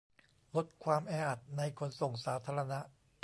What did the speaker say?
ลดความแออัดในขนส่งสาธารณะ